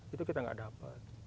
itu kita gak dapat